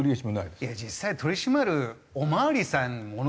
実際取り締まるお巡りさんものすごい。